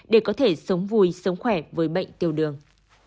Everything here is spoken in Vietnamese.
để có thể sống vui sống khỏe với bệnh tiêu đường